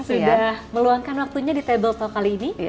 sudah meluangkan waktunya di table talk kali ini